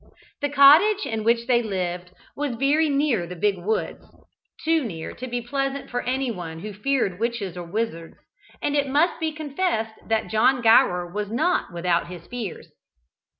The cottage in which they lived was very near the big woods too near to be pleasant for anyone who feared witches or wizards and it must be confessed that John Gower was not without his fears.